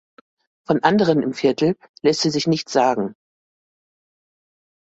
Von anderen im Viertel lässt sie sich nichts sagen.